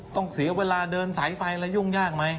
ต้องเสียเวลาเดินสายไฟแล้วยุ่งยากไหม